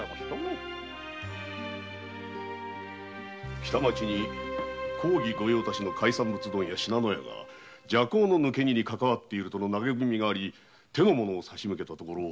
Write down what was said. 北町に公儀御用達の信濃屋が麝香の抜け荷にかかわっているとの投げ文があり手の者をさしむけたところ